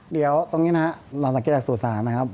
เดี๋ยวตรงนี้นะครับเราสังเกตจากสู่ศาลนะครับ